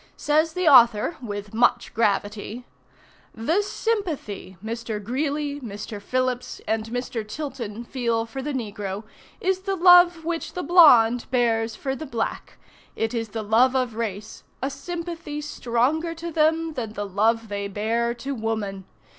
Says the author with much gravity: "The sympathy Mr. Greeley, Mr. Phillips and Mr. Tilton feel for the negro is the love which the blonde bears for the black; it is the love of race, a sympathy stronger to them than the love they bear to woman.